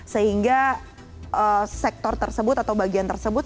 sehingga sektor tersebut atau bagian tersebut